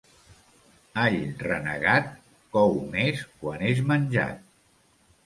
All renegat, cou més quan és menjat.